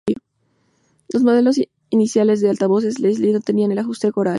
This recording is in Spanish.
Los modelos iniciales de altavoces Leslie no tenían el ajuste "coral".